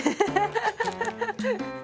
ハハハハ。